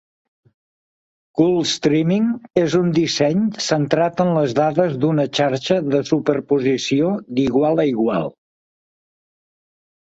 CoolStreaming és un disseny centrat en les dades d'una xarxa de superposició d'igual a igual.